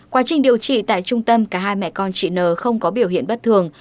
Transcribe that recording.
quá trình điều trị tại trung tâm cả hai mẹ con chị n không có biểu hiện bất thường